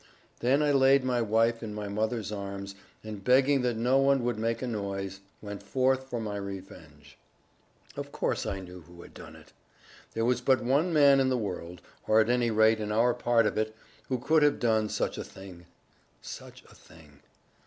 Then I laid my wife in my mother's arms, and begging that no one would make a noise, went forth for my revenge. Of course I knew who had done it. There was but one man in the world, or at any rate in our part of it, who could have done such a thing such a thing.